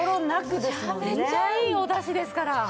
めちゃめちゃいいおだしですから。